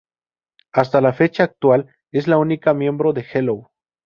Hasta la fecha actual, es la única miembro de Hello!